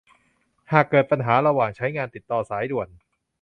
หากเกิดปัญหาระหว่างใช้งาน ติดต่อสายด่วน